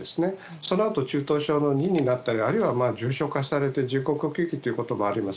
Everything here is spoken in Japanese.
そのあと中等症の２になったりあるいは重症化したり人工呼吸器ということもあります。